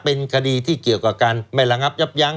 เป็นคดีที่เกี่ยวกับการไม่ระงับยับยั้ง